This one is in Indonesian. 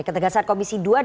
ketegasan komisi dua